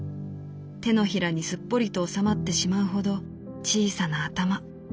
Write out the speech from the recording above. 掌にすっぽりと収まってしまうほど小さな頭。